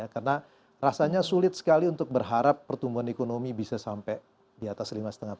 karena rasanya sulit sekali untuk berharap pertumbuhan ekonomi bisa sampai dianggap